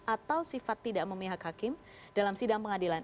atau sifat tidak memihak hakim dalam sidang pengadilan